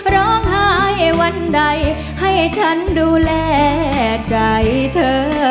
ร้องไห้วันใดให้ฉันดูแลใจเธอ